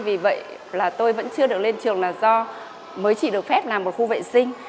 vì vậy là tôi vẫn chưa được lên trường là do mới chỉ được phép làm một khu vệ sinh